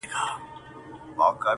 • رغړېدم چي له کعبې تر سومناته ,